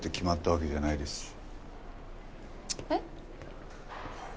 えっ？